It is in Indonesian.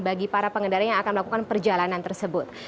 bagi para pengendara yang akan melakukan perjalanan tersebut